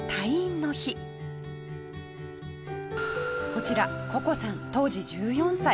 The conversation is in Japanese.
こちらココさん当時１４歳。